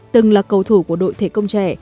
từng là cầu thủ của đội thể công trẻ